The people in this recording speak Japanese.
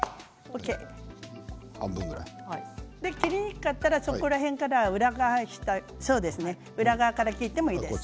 切りにくかったらその辺から裏側から切ってもいいです。